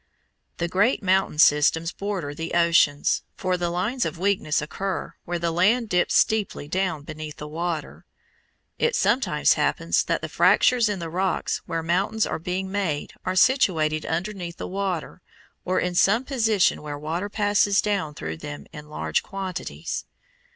The great mountain systems border the oceans, for the lines of weakness occur where the land dips steeply down beneath the water. It sometimes happens that the fractures in the rocks where mountains are being made are situated underneath the water, or in some position where water passes down through them in large quantities.